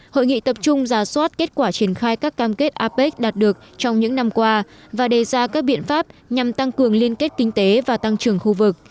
hội nghị tập trung giả soát kết quả triển khai các cam kết apec đạt được trong những năm qua và đề ra các biện pháp nhằm tăng cường liên kết kinh tế và tăng trưởng khu vực